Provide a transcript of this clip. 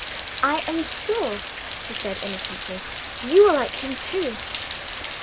I am sure," she said innocently, "you will like him too."